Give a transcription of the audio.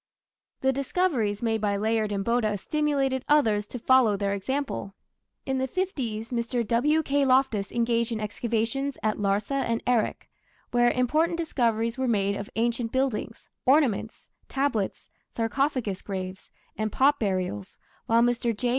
The discoveries made by Layard and Botta stimulated others to follow their example. In the "fifties" Mr. W.K. Loftus engaged in excavations at Larsa and Erech, where important discoveries were made of ancient buildings, ornaments, tablets, sarcophagus graves, and pot burials, while Mr. J.